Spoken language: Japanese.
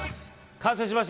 完成しました！